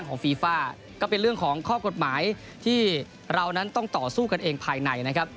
ก็เป็นเรื่องของข้อกฎหมายแบบว่าเรานั้นต้องต่อสู้กันเร้ียงภายในนะครับ